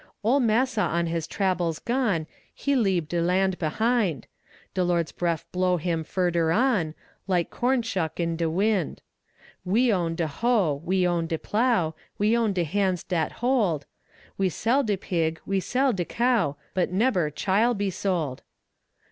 Ole massa on his trabbles gone He lebe de land behind; De Lord's breff blow him furder on, Like corn shuck in de wind. We own de hoe, we own de plow, We own de hands dat hold; We sell de pig, we sell de cow, But neber chile be sold.